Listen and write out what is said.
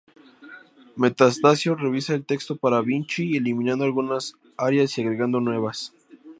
Metastasio revisa el texto para Vinci, eliminando algunas arias y agregando nuevas.